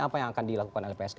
apa yang akan dilakukan lpsk